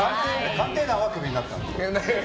「鑑定団」はクビになったの？